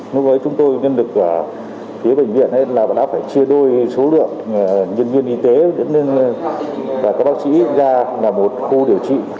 đối với chúng tôi nhân lực phía bệnh viện là đã phải chia đôi số lượng nhân viên y tế và các bác sĩ ra là một khu điều trị